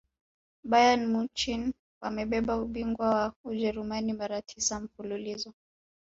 bayern munich wamebeba ubingwa wa ujerumani mara tisa mfululizo